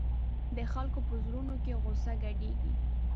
د خلکو په زړونو کې غوسه ګډېږي.